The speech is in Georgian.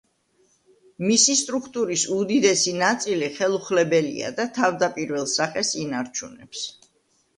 მისი სტრუქტურის უდიდესი ნაწილი ხელუხლებელია და თავდაპირველ სახეს ინარჩუნებს.